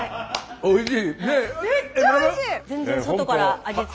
おいしい。